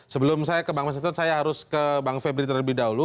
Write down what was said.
sebelum saya ke bank masinto saya harus ke bank febri terlebih dahulu